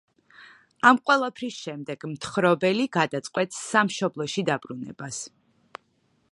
ამ ყველაფრის შემდეგ მთხრობელი გადაწყვეტს სამშობლოში დაბრუნებას.